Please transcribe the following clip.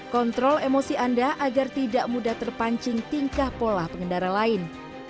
kontrol emosi anda agar tidak mudah terpancing tingkah pola pengendara lain